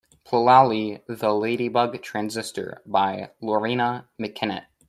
Plaly The Ladybug Transistor by Loreena Mckennitt.